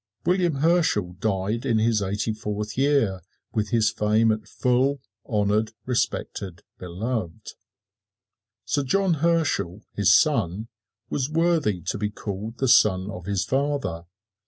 William Herschel died in his eighty fourth year, with his fame at full, honored, respected, beloved. Sir John Herschel, his son, was worthy to be called the son of his father.